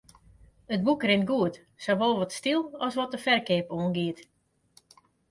It boek rint goed, sawol wat styl as wat de ferkeap oangiet.